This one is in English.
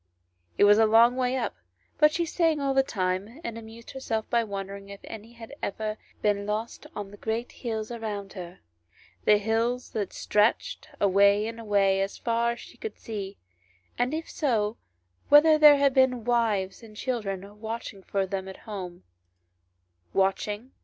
It was a long way up, but she sang all the time, and amused herself by wondering if any had ever been lost on the great hills around her, the hills that stretched away and away as far as she could see, and if so whether there had been wives and children watching for them at home, watching, 62 A^HOW STORIES.